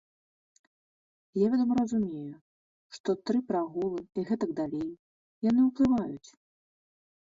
Я, вядома, разумею, што тры прагулы і гэтак далей, яны ўплываюць.